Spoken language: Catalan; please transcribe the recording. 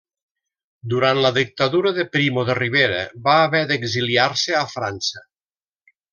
Durant la dictadura de Primo de Rivera va haver d'exiliar-se a França.